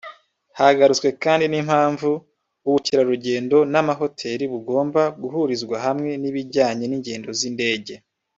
Hagarutswe kandi ni mpamvu ubukerarugendo na mahoteli bugomba guhurizwa hamwe n’ibijyanye n’ingendo z’indege